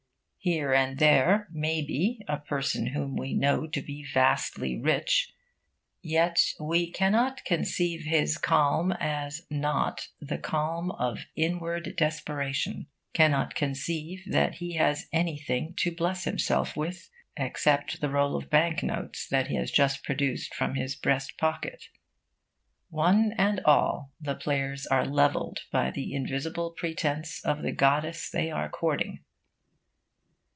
Here and there, maybe, a person whom we know to be vastly rich; yet we cannot conceive his calm as not the calm of inward desperation; cannot conceive that he has anything to bless himself with except the roll of bank notes that he has just produced from his breast pocket. One and all, the players are levelled by the invisible presence of the goddess they are courting.